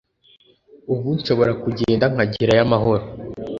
ubu nshobora kugenda nkagerayo amahoro